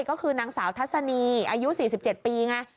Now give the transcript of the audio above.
ก็คือนางสาวทัศนีอายุ๔๗ปีไง